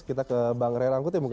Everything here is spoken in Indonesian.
kita ke bang ray rangkuti mungkin